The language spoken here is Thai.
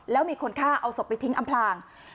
แล้วมีคนฆ่าเอาศพไปทิ้งอำพลาง